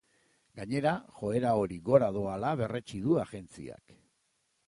Gainera, joera hori gora doala berretsi du agentziak.